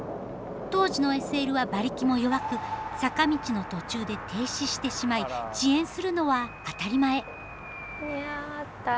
当時のＳＬは馬力も弱く坂道の途中で停止してしまい遅延するのは当たり前。